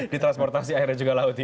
di transportasi airnya juga laut ya